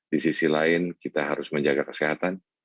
di sisi lain kita harus menjaga kesehatan